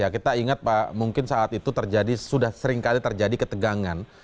kita ingat pak mungkin saat itu terjadi sudah seringkali terjadi ketegangan